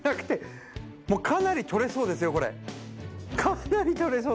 かなり取れそうですよこれ。